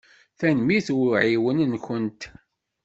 Tanemmirt i uɛiwen-nkent.